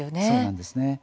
そうなんですね。